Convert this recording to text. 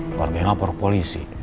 keluarga yang lapor polisi